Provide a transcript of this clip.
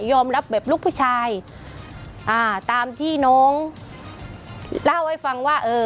แบบลูกผู้ชายอ่าตามที่น้องเล่าให้ฟังว่าเออ